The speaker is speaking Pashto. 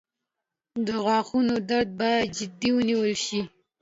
• د غاښونو درد باید جدي ونیول شي.